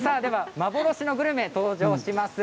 幻のグルメが登場します。